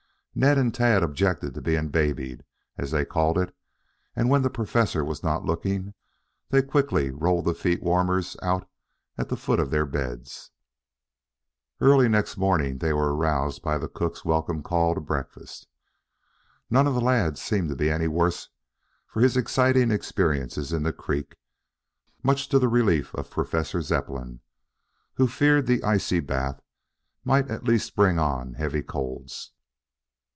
Ned and Tad objected to being "babied" as they called it, and when the Professor was not looking, they quickly rolled the feet warmers out at the foot of their beds. Early next morning they were aroused by the cook's welcome call to breakfast. None of the lads seemed to be any the worse for his exciting experiences in the creek, much to the relief of Professor Zepplin, who feared the icy bath might at least bring on heavy colds.